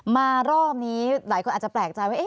มารอบนี้หลายคนอาจจะแปลกใจว่า